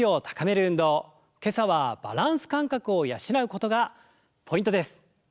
今朝はバランス感覚を養うことがポイントです！